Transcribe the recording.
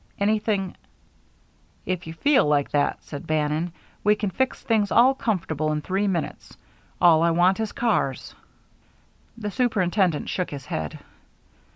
Anything " "If you feel like that," said Bannon, "we can fix things all comfortable in three minutes. All I want is cars." The superintendent shook his head.